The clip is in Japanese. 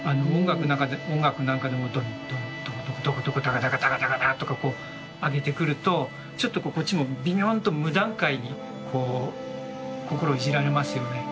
音楽なんかでもドンドンドコドコドコドコダカダカダカダカダとか上げてくるとちょっとこっちもビヨンと無段階にこう心をいじられますよね。